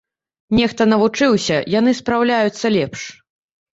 Нехта навучыўся, яны спраўляюцца лепш.